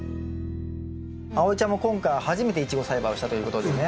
あおいちゃんも今回は初めてイチゴ栽培をしたということでね。